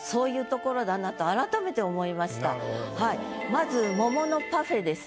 まず桃のパフェです。